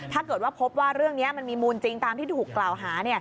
ถ้าเกิดว่าพบว่าเรื่องนี้มันมีมูลจริงตามที่ถูกกล่าวหา